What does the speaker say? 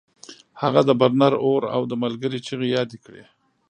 هغه د برنر اور او د ملګري چیغې یادې کړې